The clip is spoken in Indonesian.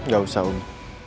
gak usah om